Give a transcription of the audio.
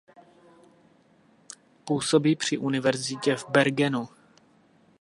Působí při Univerzitě v Bergenu.